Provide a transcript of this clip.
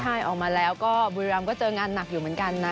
ใช่ออกมาแล้วก็บุรีรำก็เจองานหนักอยู่เหมือนกันนะ